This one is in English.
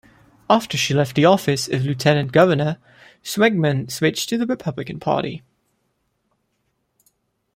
After she left the office of lieutenant governor, Schwegmann switched to the Republican Party.